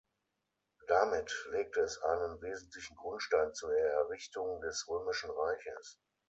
Damit legte es einen wesentlichen Grundstein zur Errichtung des Römischen Reiches.